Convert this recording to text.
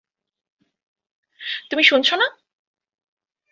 তুমি শুনছ না?